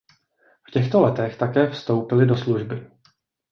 V těchto letech také vstoupily do služby.